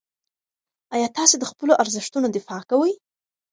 آیا تاسې د خپلو ارزښتونو دفاع کوئ؟